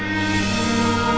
terus berutangku sayang